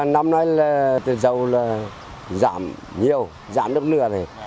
năm nay là tỉnh dầu giảm nhiều giảm nước lửa